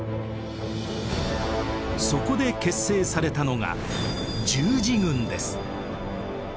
そこで結成されたのが十字軍です。